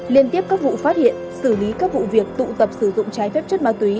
liên tiếp các vụ phát hiện xử lý các vụ việc tụ tập sử dụng trái phép chất ma túy